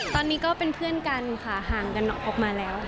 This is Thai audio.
ตอนนี้ก็เป็นเพื่อนกันค่ะห่างกันออกมาแล้วค่ะ